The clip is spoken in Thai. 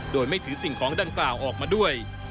โดยไม่ถือสิ่งของดังกล่าวออกมาด้วย